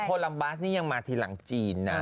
ลัมบัสนี่ยังมาทีหลังจีนนะ